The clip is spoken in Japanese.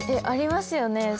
ありますよね